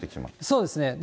そうですね。